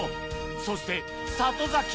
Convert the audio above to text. そして里崎